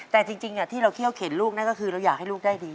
แต่จริงที่เราเคี่ยวเข็นลูกนั่นก็คือเราอยากให้ลูกได้ดี